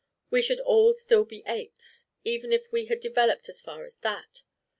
We should all still be apes, even if we had developed as far as that.